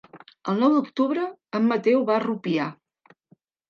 El nou d'octubre en Mateu va a Rupià.